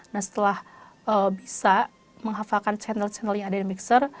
nah setelah bisa menghafalkan channel channel yang ada di mixer